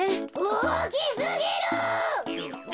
おおきすぎる！